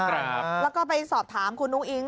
แล้วก็ไปสอบถามคุณอุ้งอิง